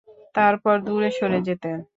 তারপর দূরে সরে যেতেন।